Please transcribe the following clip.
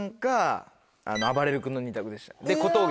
２択でしたで。